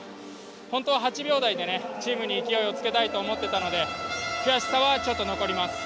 本当は８秒台でチームに勢いをつけたいと思ってたので悔しさは、ちょっと残ります。